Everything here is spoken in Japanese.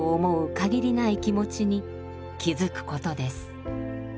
限りない気持ちに気づくことです。